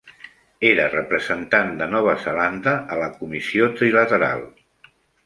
Era representant de Nova Zelanda a la Comissió Trilateral.